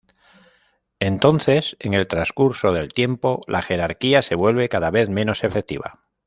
Entonces, en el transcurso del tiempo, la jerarquía se vuelve cada vez menos efectiva.